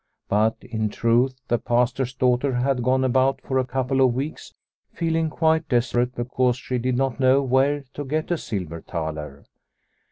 But in truth the Pastor's daughter had gone about for a couple of weeks feeling quite desperate because she did not know where to get a silver thaler.